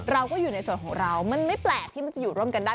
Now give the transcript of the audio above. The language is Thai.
เราก็อยู่ในส่วนของเรามันไม่แปลกที่มันจะอยู่ร่วมกันได้